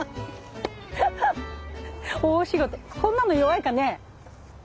こんなの弱いかね？